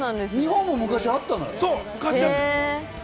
日本も昔あったんだよ。